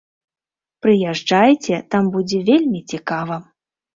Прыязджайце, там будзе вельмі цікава!